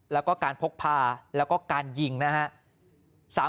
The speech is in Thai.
แล้วก็การพกพาแล้วก็การยิงนะฮะ